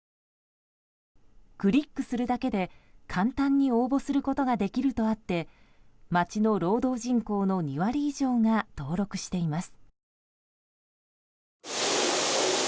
クリックするだけで、簡単に応募することができるとあって町の労働人口の２割以上が登録しています。